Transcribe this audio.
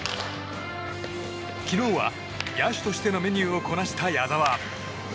昨日は野手としてのメニューをこなした矢澤。